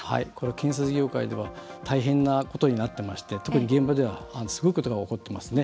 建設業界では大変なことになってまして特に現場ではすごいことが起こっていますね。